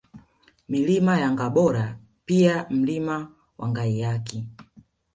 Milima ya Ngabora pia Mlima wa Ngaiyaki